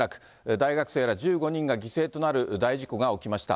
大学生ら１５人が犠牲となる大事故が起きました。